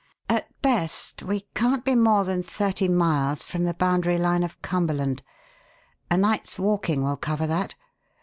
"At best, we can't be more than thirty miles from the boundary line of Cumberland. A night's walking will cover that.